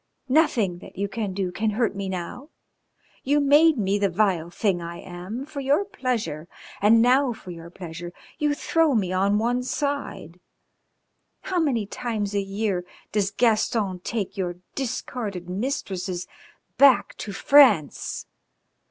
Nothing that you can do can hurt me now. You made me the vile thing I am for your pleasure, and now for your pleasure you throw me on one side.... How many times a year does Gaston take your discarded mistresses back to France?"